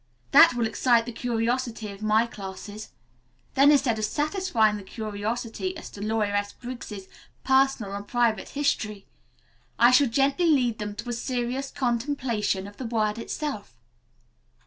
That will excite the curiosity of my classes. Then instead of satisfying that curiosity as to Lawyeress Briggs' personal and private history I shall gently lead them to a serious contemplation of the word itself.